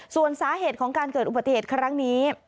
ส่วนสาเหตุของการเกิดอุบัติเหตุครั้งนี้